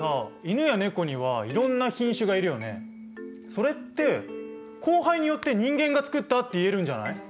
それって交配によって人間が作ったって言えるんじゃない？